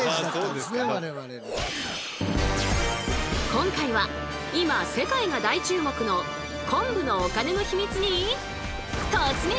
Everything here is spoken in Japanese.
今回は今世界が大注目の「昆布」のお金のヒミツに突撃！